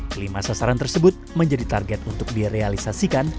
kelima sasaran tersebut menjadi target untuk direalisasikan